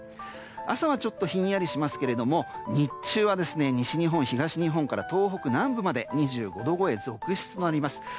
朝はちょっとひんやりしますが日中は西日本、東日本から東北南部まで２５度超え続出となります。